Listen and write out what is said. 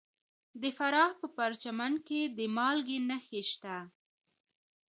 د فراه په پرچمن کې د مالګې نښې شته.